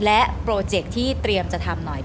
และโปรเจคที่เตรียมจะทำหน่อย